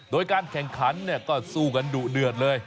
โดยการแข่งขันก็สู้กันดุเดือดเลย